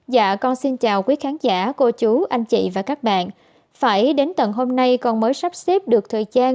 dạ con xin chào quý khán giả cô chú anh chị và các bạn phải đến tầng hôm nay con mới sắp xếp được thời gian